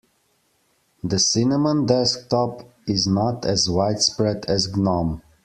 The cinnamon desktop is not as widespread as gnome.